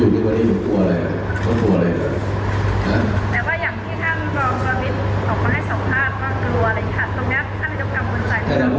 ยืนยังว่านายกไม่ได้กังวลหรือว่ากลัวใช่ไหมครับ